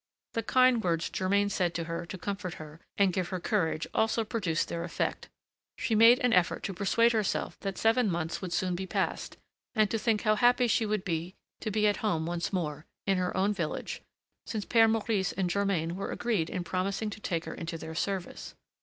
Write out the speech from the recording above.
The kind words Germain said to her to comfort her and give her courage also produced their effect; she made an effort to persuade herself that seven months would soon be passed, and to think how happy she would be to be at home once more, in her own village, since Père Maurice and Germain were agreed in promising to take her into their service.